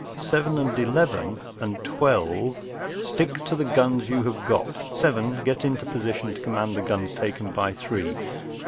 Seven and Eleven and Twelve, stick to the guns you have got ; Seven, get into position to command the guns taken by Three.